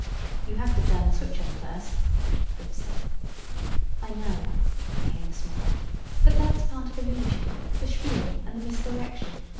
"You have to turn the switch on first," Biff said. "I know," Kaner smiled. "But that's part of illusion the spiel and the misdirection.